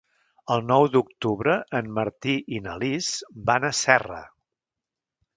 El nou d'octubre en Martí i na Lis van a Serra.